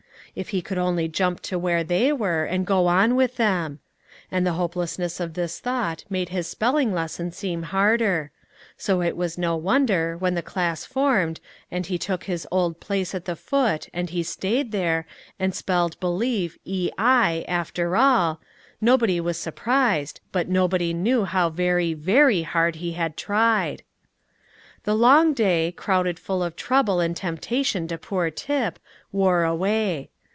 If he could only jump to where they were, and go on with them! And the hopelessness of this thought made his spelling lesson seem harder; so it was no wonder, when the class formed, and he took his old place at the foot, and he stayed there, and spelled believe ei after all; nobody was surprised, but nobody knew how very, very hard he had tried. The long day, crowded full of trouble and temptation to poor Tip, wore away.